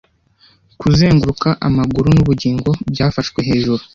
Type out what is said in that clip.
Kuzenguruka amaguru n'ubugingo byafashwe hejuru;